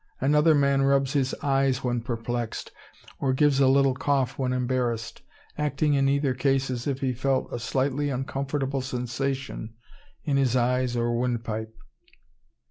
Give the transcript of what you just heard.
Another man rubs his eyes when perplexed, or gives a little cough when embarrassed, acting in either case as if he felt a slightly uncomfortable sensation in his eyes or windpipe.